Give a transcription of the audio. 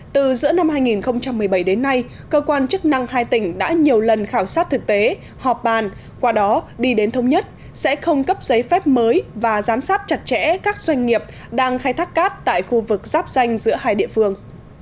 từ giữa năm hai nghìn một mươi bảy đến nay cơ quan chức năng hai tỉnh đã nhiều lần khảo sát thực tế họp bàn qua đó đi đến thống nhất sẽ không cấp giấy phép mới và giám sát chặt chẽ các doanh nghiệp đang khai thác cát tại khu vực giáp danh giữa hai địa phương